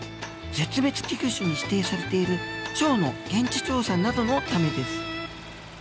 絶滅危惧種に指定されているチョウの現地調査などのためです。